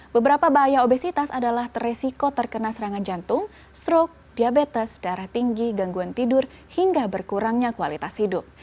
beberapa bahaya obesitas adalah teresiko terkena serangan jantung stroke diabetes darah tinggi gangguan tidur hingga berkurangnya kualitas hidup